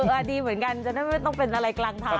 เอออ่ะดีเหมือนกันจะไม่ต้องเป็นอะไรกลางทาง